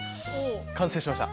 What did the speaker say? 完成しました。